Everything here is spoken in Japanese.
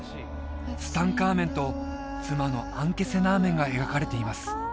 ツタンカーメンと妻のアンケセナーメンが描かれています